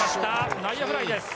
内野フライです。